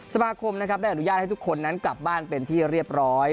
สมาคมนะครับได้อนุญาตให้ทุกคนนั้นกลับบ้านเป็นที่เรียบร้อย